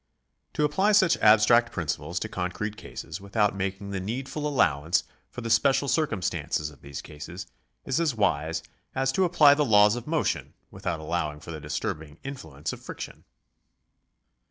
To apply such abstract principles to concrete cases without making the needful allowance for the special circumstances of these cases is as wise as to apply the laws of motion without allowing for the disturbing influence of friction.